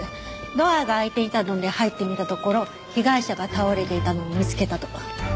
ドアが開いていたので入ってみたところ被害者が倒れていたのを見つけたと。